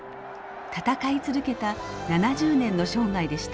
闘い続けた７０年の生涯でした。